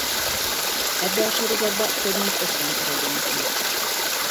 Ebbe a sorozatba több mint ötven regényt írt.